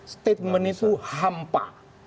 statement itu hampa